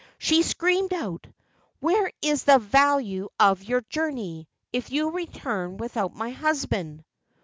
She screamed out, "Where is the value of your jour¬ ney, if you return without my husband?